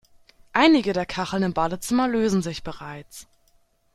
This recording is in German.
Einige der Kacheln im Badezimmer lösen sich bereits.